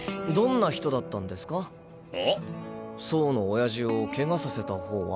走の親父をケガさせた方は。